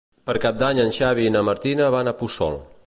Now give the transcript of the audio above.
Per Cap d'Any en Xavi i na Martina van a Puçol.